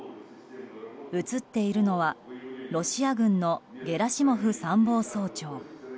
映っているのはロシア軍のゲラシモフ参謀総長。